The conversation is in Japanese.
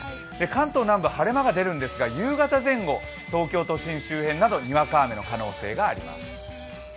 関東南部、晴れ間が出るんですが、夕方前後、東京都心周辺などにわか雨の可能性があります。